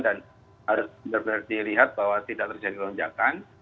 dan harus benar benar dilihat bahwa tidak terjadi lonjakan